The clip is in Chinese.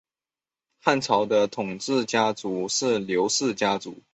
汉朝的统治家族是刘氏家族。